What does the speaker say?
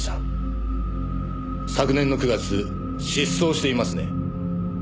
昨年の９月失踪していますね。